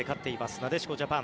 なでしこジャパン。